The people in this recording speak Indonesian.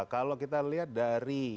kalau kita lihat dari